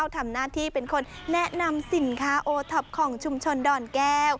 ทำหน้าที่เป็นคนแนะนำสินค้าโอท็อปของชุมชนดอนแก้ว